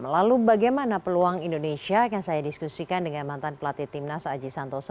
lalu bagaimana peluang indonesia yang saya diskusikan dengan mantan pelatih timnas aji santoso